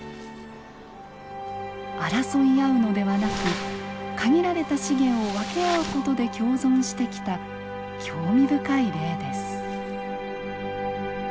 争い合うのではなく限られた資源を分け合う事で共存してきた興味深い例です。